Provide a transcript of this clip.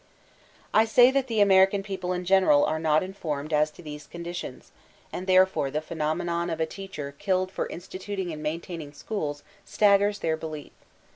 I say that the American people in general are not in formed as to these conditions, and therefore the {die nomenon of a teacher killed for instituting and main taining schook staggers their belief